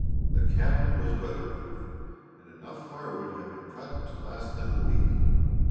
The cabin was weather proof, and enough fire wood had been cut to last them a week.